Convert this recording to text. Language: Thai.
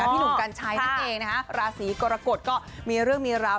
พี่หนุ่มกัญชัยนั่นเองนะคะราศีกรกฎก็มีเรื่องมีราว